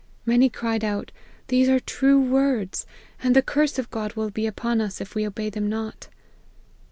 Many cried out, These are true words ; and the curse of God will be upon us if we obey them not